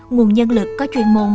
nguồn nhân lực có chuyên môn